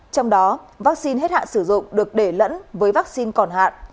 trong đó vaccine hết hạn sử dụng được để lẫn với vaccine còn hạn